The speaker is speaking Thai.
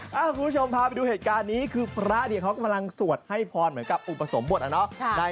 คุณผู้ชมพาไปดูเหตุการณ์นี้คือพระเนี่ยเขากำลังสวดให้พรเหมือนกับอุปสมบทอะเนาะ